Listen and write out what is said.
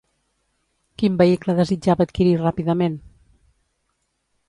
Quin vehicle desitjava adquirir ràpidament?